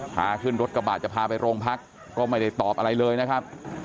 พาขึ้นรถกระบะจะพาไปโรงพักก็ไม่ได้ตอบอะไรเลยนะครับ